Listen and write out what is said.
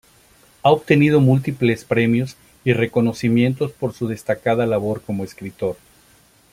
Ha obtenido múltiples premios y reconocimientos por su destacada labor como escritor.